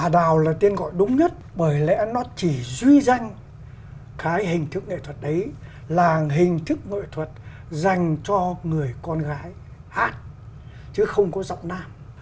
ả đào là tên gọi đúng nhất bởi lẽ nó chỉ duy danh cái hình thức nghệ thuật đấy là hình thức nghệ thuật dành cho người con gái hát chứ không có giọng nam